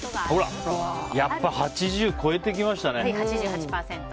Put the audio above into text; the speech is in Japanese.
ほら、やっぱり８０超えてきましたね。